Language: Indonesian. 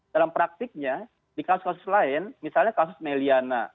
dalam praktiknya di kasus kasus lain misalnya kasus meliana